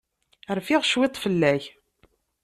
Rfiɣ cwiṭ fell-ak.